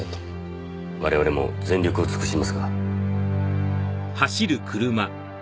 我々も全力を尽くしますが。